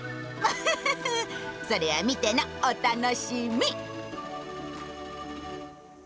フフフフそれは見てのお楽しみ！